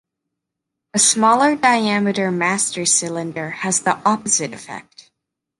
A smaller diameter master cylinder has the opposite effect.